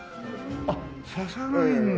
あっ刺さないんだ。